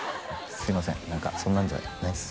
すいません何かそんなんじゃないっす